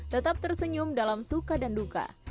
tetap tersenyum dalam suka dan duka